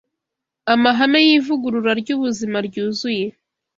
amahame y’ivugurura ry’ubuzima ryuzuye